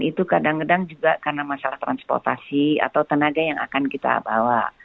itu kadang kadang juga karena masalah transportasi atau tenaga yang akan kita bawa